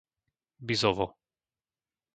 Bizovo